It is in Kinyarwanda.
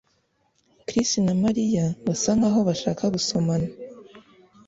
Chris na Mariya basa nkaho bashaka gusomana